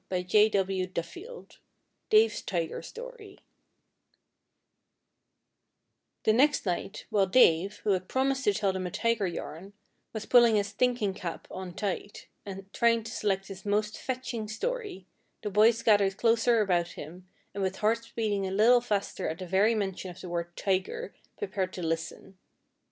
CHAPTER XIII DAVE'S TIGER STORY The next night, while Dave, who had promised to tell them a tiger yarn, was pulling his "thinking cap" on tight, and trying to select his most fetching story, the boys gathered closer about him, and with hearts beating a little faster at the very mention of the word "tiger," prepared to listen.